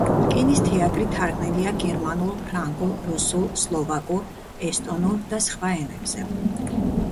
რკინის თეატრი თარგმნილია გერმანულ, ფრანგულ, რუსულ, სლოვაკურ, ესტონურ და სხვა ენებზე.